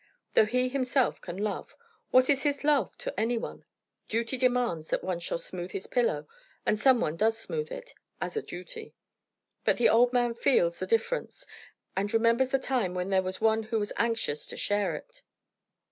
Though he himself can love, what is his love to any one? Duty demands that one shall smooth his pillow, and some one does smooth it, as a duty. But the old man feels the difference, and remembers the time when there was one who was anxious to share it.